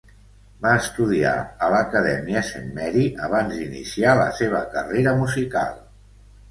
Va estudiar a la acadèmia Saint Mary abans d'iniciar la seva carrera musical.